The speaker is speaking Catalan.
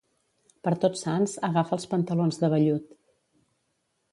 Per Tots Sants, agafa els pantalons de vellut.